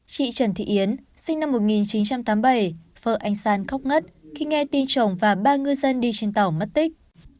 chị trần thị yến sinh năm một nghìn chín trăm tám mươi bảy vợ anh san khóc ngất khi nghe tin chồng và ba ngư dân đi trên tàu mất tích